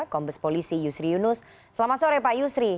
kombes polisi yusri yunus selamat sore pak yusri